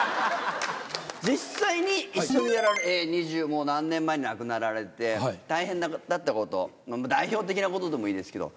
実際に一緒にやられて、もう二十何年前に亡くなられて、大変だったこと、代表的なことでもいいですけど。